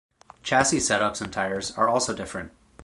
Chassis set ups and tires are also different.